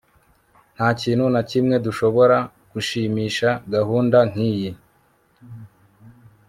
Ntakintu na kimwe dushobora gushimisha gahunda nkiyi